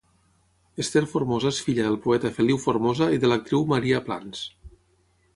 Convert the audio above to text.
Ester Formosa és filla del poeta Feliu Formosa i de l'actriu Maria Plans.